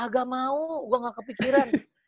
agak mau gue gak kepikiran